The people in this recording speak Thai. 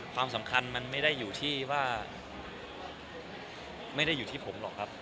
ความสำคัญมันไม่ได้อยู่ที่ว่าไม่ได้อยู่ที่ผมหรอกครับ